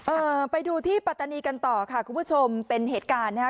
เอ่อไปดูที่ปัตตานีกันต่อค่ะคุณผู้ชมเป็นเหตุการณ์นะฮะ